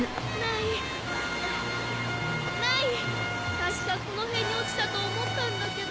たしかこのへんにおちたとおもったんだけど。